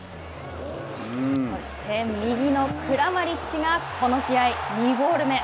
そして、右のクラマリッチがこの試合、２ゴール目。